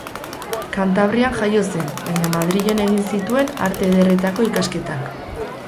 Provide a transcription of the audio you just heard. Kantabrian jaio zen, baina Madrilen egin zituen Arte Ederretako ikasketak.